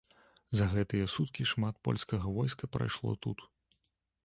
За гэтыя суткі шмат польскага войска прайшло тут.